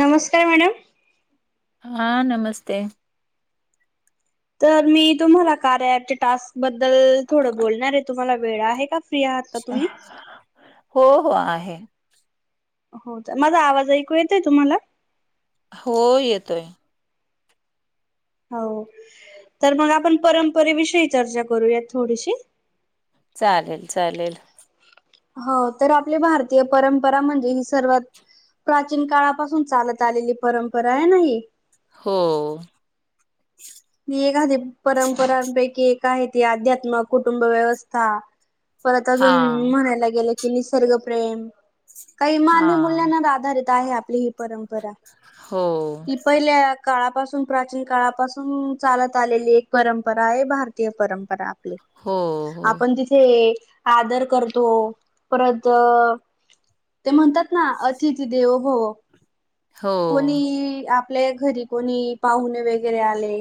नमस्कार मॅडम, हा नमस्ते, तर मी तुम्हाला कार्याच्या टास्क बद्दल थोडं बोलणार आहे, तुम्हाला वेळ आहे का? फ्री आहात का तुम्ही हो हो, आहे. हो तर माझा आवाज ऐकू येतोय तुम्हाला? हो येतोय, हो तर मग आपण, परंपरेविषयी चर्चा करूयात थोडीशी. चालेल चालेल, हो तर, आपली भारतीय परंपरा म्हणजे ही सर्वात प्राचीन काळापासून चालत आलेली परंपरा आहे नाही. हो. एक परंपरांपैकी एक आहे, ती अध्यात्म कुटुंब व्यवस्था. परत हा अजून म्हणायला गेलं की निसर्गप्रेम, काही हा मानवी मूल्यांना आधारित आहे आपली ही परंपरा. हो. ही पहिल्या काळापासून प्राचीन काळापासून चालत आलेली एक, परंपरा आहे भारतीय परंपरा. हो हो आपण तिथे आदर करतो परत ते म्हणतात ना अतिथि देवो भव. हो कोणी आपल्या घरी कोणी पाहुणे वगैरे आले.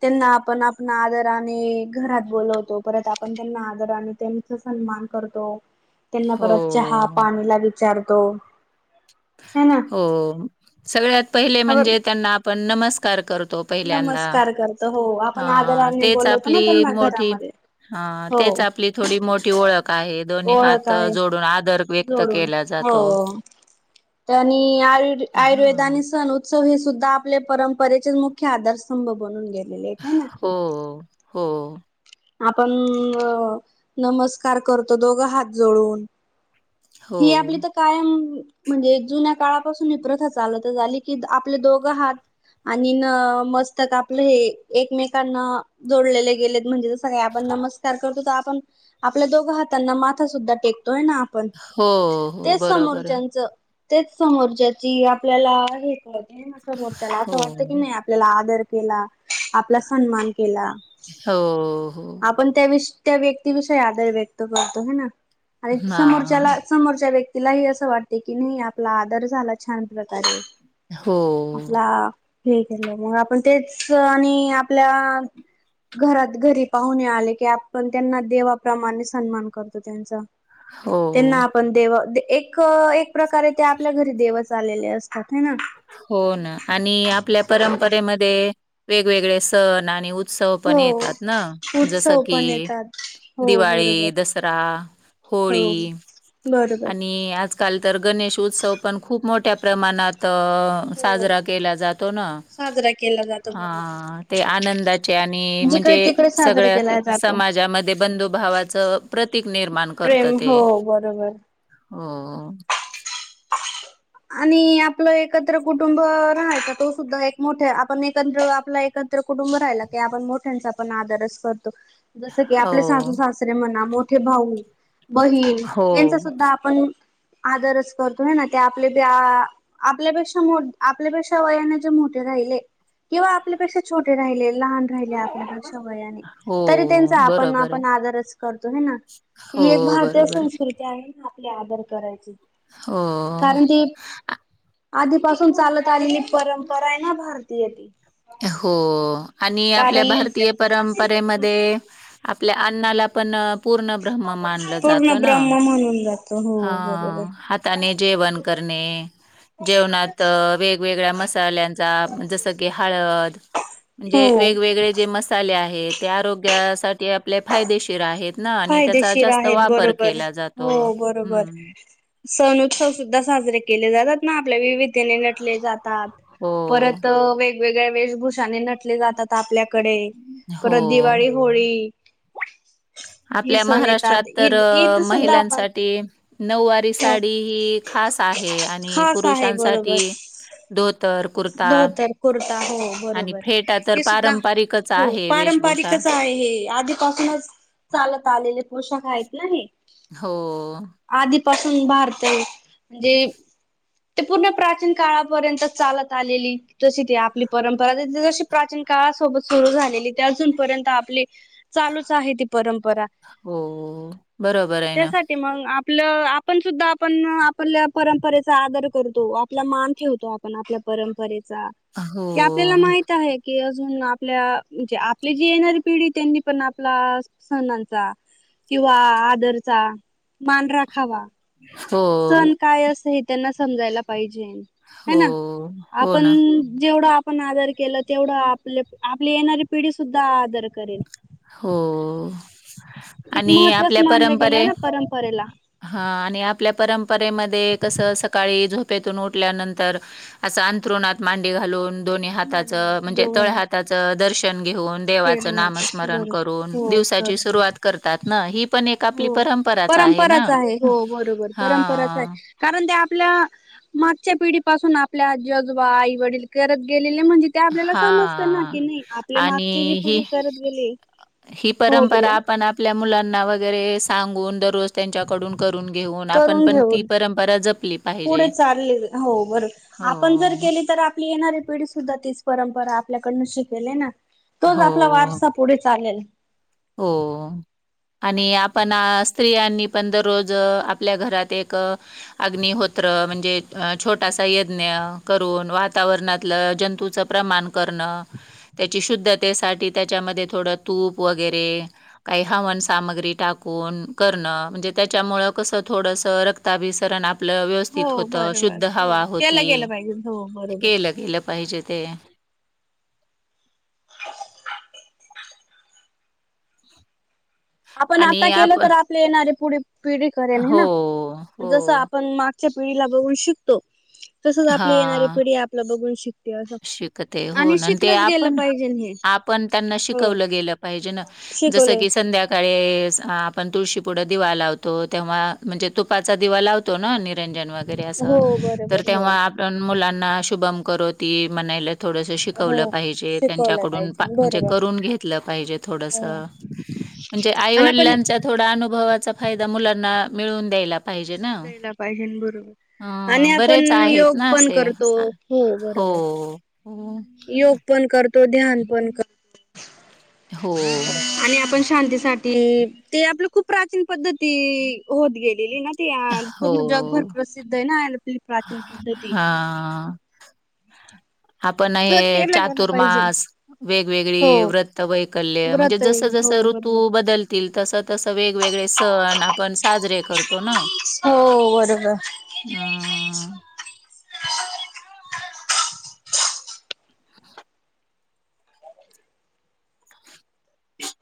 त्यांना आपण आपण आदराने आणि घरात बोलवतो परत आपण त्यांना आदरने त्यांच मान करतो त्यांना परत चहा हो पाणीला विचारतो. है ना. हो सगळ्यात पहिले आपण म्हणजे त्यांना आपण नमस्कार करतो. पहिल्यांदा नमस्कार करतो हो आपण ह आदराने तेच बोलवतो ना आपली त्यांना मोठी घरामध्ये हा तेच आपली थोडी मोठी ओळख आहे दोन्ही ओळख हात आहे जोडून आदर व्यक्त केला जात. हो तो. आयु आयुर्वेद आणि सण उत्सव हे सुद्धा आपले परंपरेचेच मुख्य आदारस्तंभ बनून घेत. हो हो. आपण नमस्कार करतो दोघं हात जोळून- हो हे आपली तर कायम म्हणजे जुन्या काळापासून ही प्रथा चालत झाली की आपले दोघं हात. आणि न मस्तक आपलं हे एकमेकांना जोडलेले गेलेत, म्हणजे जस काही आपण नमस्कार करतो त आपण आपल्या दोघ हातांना माथा सुद्धा टेकतोय ना आपण हो हो तेच बरोबर आहे समोरच्याच तेच समोरच्याची आपल्याला हे कळते समोरच्याला असं वाटत की हो नाही आपल्याला आदर आपला सन्मान केला हो, हो. आपण त्या विष आपल्याला त्या व्यक्ती विषयी आदर व्यक्त करतो ह ना आणि समोरच्याला हां. समोरच्या व्यक्तीलाही असं वाटते की नाही आपला आदर झाला छान प्रकारे. हो. आपला हे केलं मग आपण तेच आणि आपल्या घरात घरी पाहूने आले की आपण त्यांना देवाप्रमाणे सन्मान करतो त्यांचा. हो. त्यांना आपण देव एक एक प्रकारे ते आपल्या घरी देव आलेले असतात ह ना. हो ना आणि आपल्या परंपरेमध्ये वेगवेगळे सण आणि चव पण हो येतात ना जसं उत्सव पण की, येतात हो दिवाळी, बरोबर दसरा, हो. होळी बरोबर. आणि आजकाल तर गणेश उत्सव पण खूप मोठ्या प्रमाणात हो. साजरा केला जातो ना, साजरा केला जातो बरोबर. ह ते आनंदाचे आणि जिकडे म्हणजे तिकडे साजरा सगळ्या केला जातो. समाजामध्ये बंधुभावाचं प्रतीक निर्माण करतं प्रेम ते, हो बरोबर! हो! आणि आपलं एकत्र कुटुंब राहायचा तो सुद्धा एक मोठा आपण एकत्र आपला एक एकत्र कुटुंब राहिला की, आपण मोठ्यांचा पण, आदरच करत जस की, आपले हो, सासू सासरे म्हणा, मोठे भाऊ बहीण हो. यांचा सुद्धा आपण आदरच करतो ह ना. त्या आपल्या आपल्यापेक्षा मोठ आपल्यापेक्षा वयाने जे मोठे राहिले. किंवा आपल्यापेक्षा छोटे राहिलेले. लहान राहिले आपल्यापेक्षा वयाने हो तरी त्यांचा आपण बरोबर आहे. आपण आदरच करतो हे ना. हो ही एक भारतीय बरोबर आहे. संस्कृती आहे, आपली आदर करायची. हो. कारण ती आधीपासून चालत आलेली परंपरय ना, भारतीय ती. हो आणि आपल्या कारण भारतीय परंपरेमध्ये, आप आपल्या अण्णाला पण, पूर्ण ब्रह्म मानलं जात पूर्ण ना. ब्रह्म म्हणून जातो हा हो बरोबर. हाताने जेवण करणे, जेवणात वेगवेगळ्या म मल्याचा जस की हळद म्हणजे, हो वेगवेगळे जे मसाले आहेत. ते आरोग्यासाठी आपले फायदेशीर आहेत. ना आणि त्याचा फायदेशीर जास्त आहेत वापर बरोबर केला जातो. हो हम्म. सण उत्सव सुद्धा साजरे केले जातात ना. आपल्या विविधतेने नटले जात त, हो परत वेगवेगळ्या वेशभूषाने नटले जातात, आपल्या डे परत हो. दिवाळी होळी. हे आपल्या सण महाराष्ट्रात येतात तर ईद ईद सुद्धा आपण महिलांसाठी नऊवारी हो साडी ही खास. आणि खास आहे पुरुषांसाठी. बरोबर. कुर्ता धोतर कुर्ता हो आणि बरोबर फेटा तर हे सुद्धा. पारंपरिकच हो आहे वेशभूषा. पारंपरिकच आहे हे आधीपासूनच. चालत आलेले पोशाख आहेत ना हो, आधी. पासून भारत आहे म्हणजे. ते पूर्ण प्राचीन काळापर्यंत चालत आलेली तशी ती आपली परंपरा जशी प्राचीन. काळासोबत सुरु झालेली ते अजूनपर्यंत आपली चालूच आहे ती परंपरा. हो बरोबर आहे ना. त्यासाठी मग आपलं आपण सुद्धा आपण आपल्या परंपरे. सादर करतो आपला मान ठेवतो आपण आपल्या परंपरेत. हो, क आपल्याला माहित आहे की. अून आपल्या म्हणजे आपली जे येणारी पिढी त्यांनी पण आपला सणचा. किंवा आदरचा मान राखावा. हो, सण काय असं हे त्यांना समजायला पाहिजे. हय हो, ना हो आपण ना. जेवढं आप आपण आदर केलं तेवढं आपले, आपली येणारी पिढी सुद्धा आदर करेल. हो. एक आणि महत्त्वाच आपल्या मानलं गेलंय परंपरे ना परंपरेला हा, आणि आपल्या परंपरेमध्ये कसं सकाळी झोपेतून उठल्यानंतर असं अंंतरुणात मांडी घालून. दोन्ही मान हाताचं म्हणजे तळ दोघांना हाताचं दर्शन घेऊन देवाचं केलं नामस्. जात बरं हो दिवसाची कर सुरुवात करतात. ना, ही पण एक हो आपली आहे ना. परंपराच आहे हो बरोबर परंपराच आहे हां, कारण ते. आपल्या मागच्या पिढी पाासून आपल्याजजोबा आई वडील करत गे. म्हणजे ते आपल्याला समजत ना हां की नाही आपल्या आणि मागची जी पुढ ही करत गेले. ही परंपरा आपण आपल्या मुलांना वगैरे. सांगून दररोज त्यांच्याकडून करून घेऊन आपण करून पण ती घेऊन परंपरा जपली. पाहिजे. पुढे चालले हो बर हो, आपण जर केली तर आप. येणारी पिढी सुद्धा तीच परंपरा आपल्याकडन शिकेल आहे ना. तोच आपला हो, वारसा पुढे चालेल. हो. आणि आपण स्त्रियांनी पण दररोज आपल्या घरात एक अग्नी होत. म्हणजे छोटासा यज्ञ करून वातावरणात जंतूच प्रमाण करण. त्या शुद्धते त्याच्यामध्ये थोड तूप वर. ह सा टा म्हणजे त्या कस ड. ताभिसरण आप. आपलं व्यवस्थित हो होत बरोबर शुद्ध हो हवा होती केलं गेलं पाहिजे हो बरोबर केलं केलं पाहिजे. ते [unintelligible] आपण आता आणि केलं आपण तर आपले येणारे पुढ पिढी करेल हे हो, ना जसं हो. आपण माग मागच्या पिढीला बघून शिकतो तसंच आपली येणारी पिढी आपलं बघून शिक शिकत आहे होन ते गेलं आपण पाहिजे हे आपण त्यांना हो शिकवलं गेलं पाहिजे ना जसं शिकवले की संध्याकाळी आपण तुळशी पुढ दिवा लावतो तेव्हा म्हणजे तुपाचा दिवा लावतो ना निरजन वगैरे असं हो बरोबर हो तेव्हा आपण मुलांना शुभमकरोति म्हणायला थोडंसं हो शिकवलं पाहिजे शिकवलं त्यांच्याकडून पाहिजे म्हणजे बरोबर करून घेतलं पाहिजे हो थोडंसं म्हणजे आणि आपण आईवडिलांच्या थोडा अनुभवाचा फायदा मुलांना मिळवून द्यायला पाहिजे ना. द्यायला पाहिजे बरोबर आणि हं, आपण बरेच आहेत योग ना पण असे. करतो आ- हो हो, बरोबर योग पण करतो ध्यान पण करतो हो. शांतीसाठीठी ते आपलं खूप प्राचीन पद्धती होत गेलेली ना. पूर्ण जगभर हो. प्रसिद्ध आहे ना अल पली प्राचन पद्धती हां. आपण तर हे केलं गेलं पाहिजे चातुर्मास हो वेगवेगळी व्रत वैकल्य म्हणजे व्रत जस आहे ज हो ऋतू बरोबर बदलतील तस तस वेगवेगळे सण आपण साजरे करतो ना. हो बरोबर हा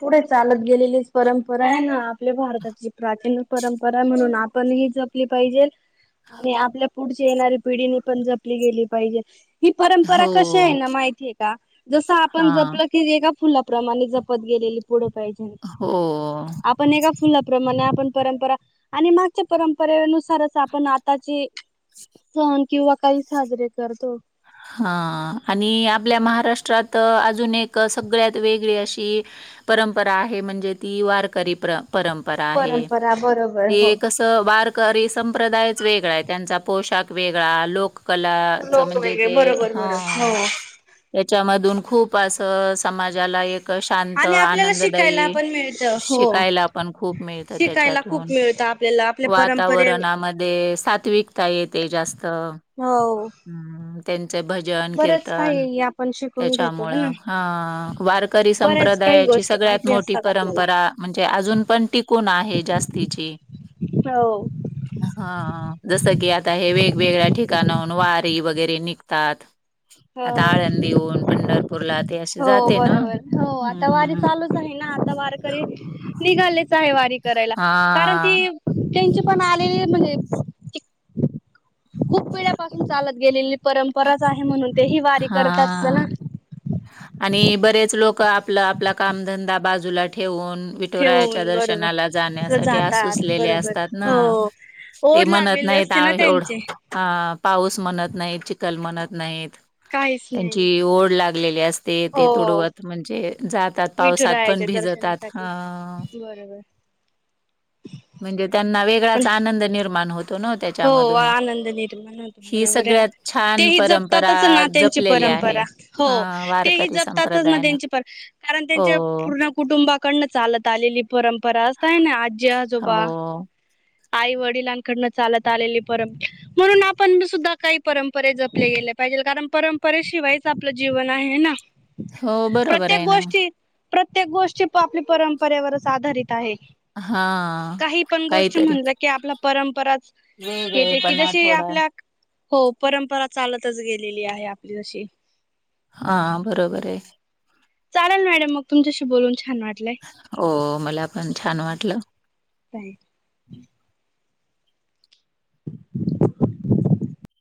पुढे चालत गेलेली परंपरा आहे ना आपल्या भारताची प्राचीन परंपरा म्हणून आपण जपली पाहिजे आणि आपल्या पुढची येणारी पिढीनी पण जपली गेली पाहिजे ही परंपरा कशी आहे हो. ना माहितीय का जसं आपण हां. जपलं की एका फुलाप्रमाणे जप त गेलेली पुढं पाहिजे हो. आपण ए का फुलाप्रमाणे आपण परंपरा आणि मागच्या परंपरेनुसारच आपण आताची सण किंवा काही साजरे करतो हा आणि आपल्या महाराष्ट्रात अजून एक सगळ्यात वेगळी अशी परंपरा आहे म्हणजे ती वारकरी प्र परंपरा आहे परंपरा बरोबर हो ते कसं वारकरी संप्रदायच वेगळा आहे त्यांचा पोशाख वेगळा लोककलाच लोक म्हणजे वेगळे बरोबर बरोबर हो त्याच्यामून खूप अस समाजाला एक इ शांत आणि आपल्याला शिकायला आनंददायी पण मिळतं हो. शिकायला आपण खूप मिळतं शिकायला खूप त्याच्यातून मिळतं आपल्याला आपल्या परंपरे वातावरणामध्ये सात्विकता येते जास्त हो त्यांचे भजन बरंच कीर्तन काही आपण शिकून घेतो त्याच्यामुं ना. ह वारकरी बऱ्याच काही संप्रदाय गोष्टी सगळ्यात माहिती मोठी असतात परंपरा आपल्याला म्हणजे अजून पण टिकून आहे जास्तीची हो हा जस की आता हे वेग ववेेगळ्या ठिकाणाहून वारी वगैरे निघतात आता हो. आळंदीऊन पंढरपूरला ते असे हो जाते ना बरोबर हो आता हम्म वारी हम्म चालूच आहे आता वारकरी निघालेच आहे वारी करायला कारण हा ती त्यांचे पण आलेली म्हणजे खूप वेळापासून चालत गेलेले परंपराच आहे म्हणून ते ह वारी करत असत हा. ना आणि बरेच लोक आपलं आपला कामधंदा बाजूला ठेवून विठोरायाच्या ठेवून दर्शनाला बरोबर जाण्यासाठी जातात असूसलेले बरोबर असतात ना हो ते ओढ म्हणत लागलेली नाहीत असते ना एवढं त्यांचे ह पाऊस म्हणत नाही चिखल म्हणत नाहीत काहीच नाही त्यांची ओढ लागलेली असते ते ते हो तुडवत म्हणजे जातात पावसात पण विठुरायाच्या भिजतात हा दर्शनासाठी बरोबर पण चा आनंद निर्मा हो आनंद निर्माण होतो ही बरोबर आहे ना सगळ्यात ते छान ह परंपरा जपतातच ना त्यांची पर जपलेली आहे. हो हां, ते वारकरी जपतातच ना संप्रदायानं. कारण त्यां हो, पूर्ण कुटुंबा कडणे चालत आलेली परंपरा असताय ना आजी आजोबा हो आई वडिलांकडनं चालत आलेली परंपरा म्हणून आपण सुद्धा काही परंपरा जपले गेले पाहिजे कारण परंपरे शिवायचं आपलं जीवन आहे ना. हो बरोबर प्रत्येक आहे ना. गोष्टी प्रत्येक गोष्टी आपली परंपरेवरच आधारित आहे. हा काय,? म्हणत की आपला परंपराच येते की वेगळेपणा जशी थोडा. आपल्या. हो परंपरा चालतचं गेलेली आहे आपली जशी हा बरोबर आहे. चालेल मॅडम मग तुमच्याशी बोलून. छान वाटलंय हो मला पण छान वाटलं. काय.